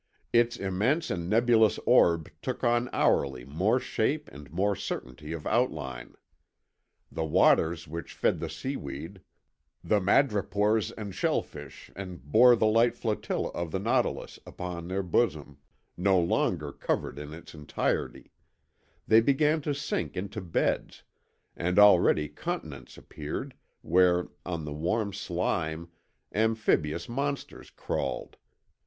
Its immense and nebulous orb took on hourly more shape and more certainty of outline. The waters which fed the seaweed, the madrepores and shellfish and bore the light flotilla of the nautilus upon their bosom, no longer covered it in its entirety; they began to sink into beds, and already continents appeared, where, on the warm slime, amphibious monsters crawled.